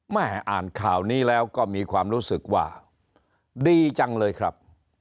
อ่านข่าวนี้แล้วก็มีความรู้สึกว่าดีจังเลยครับ